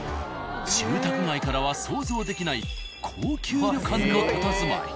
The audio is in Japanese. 住宅街からは想像できない高級旅館のたたずまい。